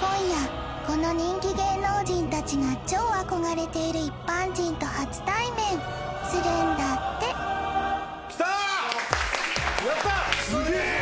今夜この人気芸能人たちが超憧れている一般人と初対面するんだってやった！